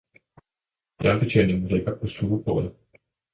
Fjernbetjeningen ligger på stuebordet.